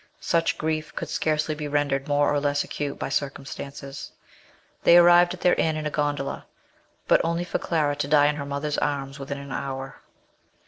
Such grief could scarcely be rendered more or less acute by circumstances. They arrived at their inn in a gondola, but only for Clara to die in her mother's arms within an hour.